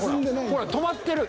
ほら止まってる］